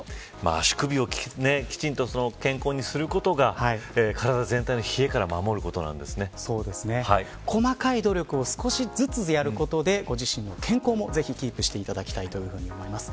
足首をきちんと健康にすることが体全体を冷えから細かい努力を少しずつやることでご自身の健康もぜひキープしていただきたいと思います。